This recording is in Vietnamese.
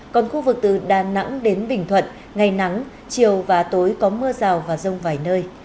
còn khu vực từ đà nẵng đến bình thuận ngày nắng chiều và tối có mưa rào và rông vài nơi